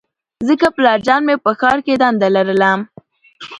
ځکه پلارجان مې په ښار کې دنده لرله